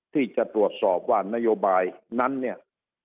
ที่จะตรวจสอบว่านโยบายนั้นเนี่ย